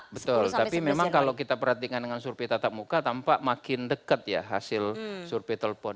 betul tapi memang kalau kita perhatikan dengan survei tatap muka tampak makin dekat ya hasil survei telepon